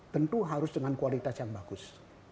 tentu harus dengan kualitas yang bagus